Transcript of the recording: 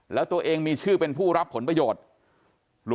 แล้วตัวเองมีชื่อเป็นผู้รับผลประโยชน์